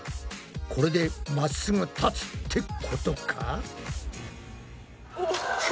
これでまっすぐ立つってことか？